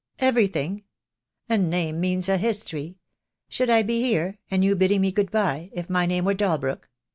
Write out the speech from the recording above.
"Everything. A name means a history. Should I be here — and you bidding me good bye — if my name were Dalbrook?